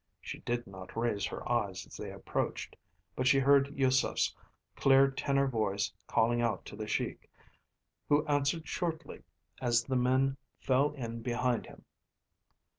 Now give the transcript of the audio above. She did not raise her eyes as they approached, but she heard Yusef's clear tenor voice calling out to the Sheik, who answered shortly as the men fell in behind him.